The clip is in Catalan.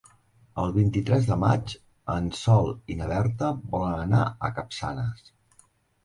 El vint-i-tres de maig en Sol i na Berta volen anar a Capçanes.